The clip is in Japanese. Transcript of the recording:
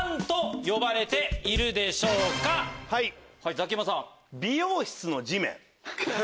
ザキヤマさん。